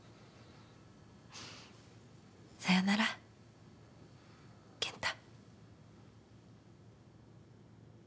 さようなら健太。